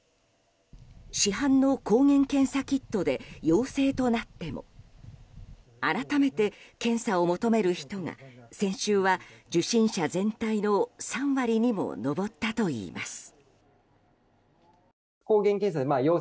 市販の抗原検査キットで陽性となっても改めて検査を求める人が先週は受診者全体の３割にも上ったといいます。